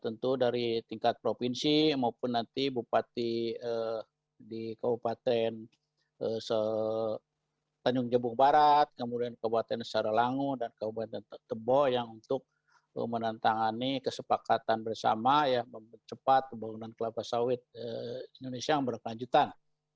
tentu dari tingkat provinsi maupun nanti bupati di kabupaten tanjung jebung barat kemudian kabupaten saralango dan kabupaten tebo yang untuk menantangani kesepakatan bersama ya mempercepat pembangunan kelapa sawit indonesia yang berkelanjutan